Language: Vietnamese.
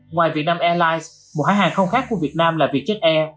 ngoài việt nam airlines một hãng hàng không khác của việt nam là vietjet air